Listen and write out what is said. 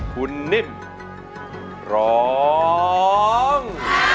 คุณนิ่มร้อง